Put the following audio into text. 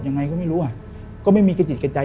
ยังไงก็ไม่รู้อ่ะก็ไม่มีกระจิตกระใจ